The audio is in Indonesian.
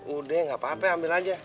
udah gak apa apa ambil aja